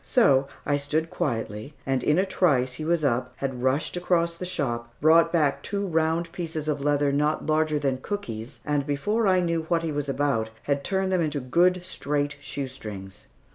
So I stood quietly, and in a trice he was up, had rushed across the shop, brought back two round pieces of leather not larger than cookies, and before I knew what he was about, had turned them into good straight shoestrings.